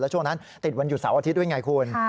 ช่วงนั้นติดวันหยุดเสาร์อาทิตย์ด้วยไงคุณ